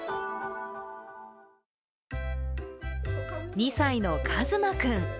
２歳のかずま君。